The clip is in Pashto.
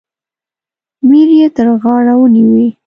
میر یې تر غاړه ونیوی.